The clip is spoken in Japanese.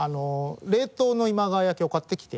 冷凍の今川焼きを買ってきて。